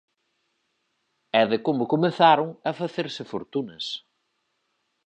E de como comezaron a facerse fortunas.